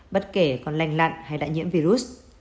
bất kể còn lành lặn hay đã nhiễm virus